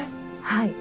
はい。